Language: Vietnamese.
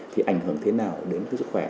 thì ảnh hưởng thế nào đến sức khỏe